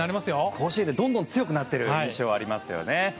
甲子園でどんどん強くなっている印象がありますね。